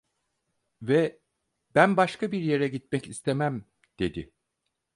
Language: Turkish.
Ve "ben başka yere gitmek istemem" dedi.